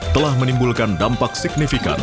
telah menimbulkan dampak signifikan